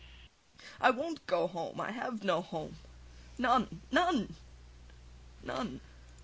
I won't go home; I have no home none! none! none!